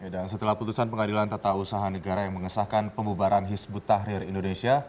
dan setelah putusan pengadilan tata usaha negara yang mengesahkan pembubaran hisbut tahrir indonesia